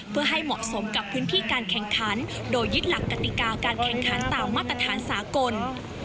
เพื่อให้เหมาะสมกับพื้นที่การแข่งขันโดยยึดหลักกติกาการแข่งขันตามมาตรฐานสากล